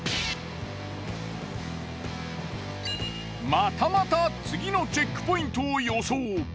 またまた次のチェックポイントを予想。